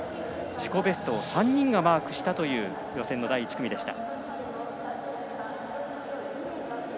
自己ベストを３人がマークしたという予選の第１組でした。